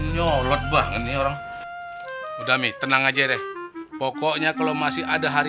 nyolot banget nih orang udah minta nangajer pokoknya kalau masih ada hari